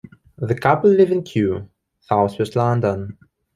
The couple live in Kew, southwest London.